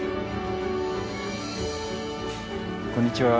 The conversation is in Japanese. こんにちは。